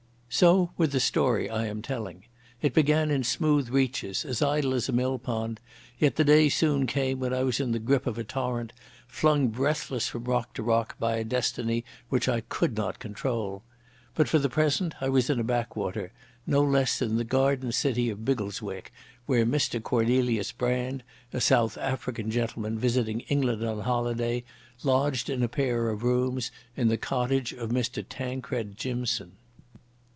So with the story I am telling. It began in smooth reaches, as idle as a mill pond; yet the day soon came when I was in the grip of a torrent, flung breathless from rock to rock by a destiny which I could not control. But for the present I was in a backwater, no less than the Garden City of Biggleswick, where Mr Cornelius Brand, a South African gentleman visiting England on holiday, lodged in a pair of rooms in the cottage of Mr Tancred Jimson.